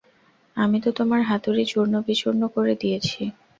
আমি তো তোমার হাতুড়ি চূর্ণ-বিচূর্ণ করে দিয়েছি।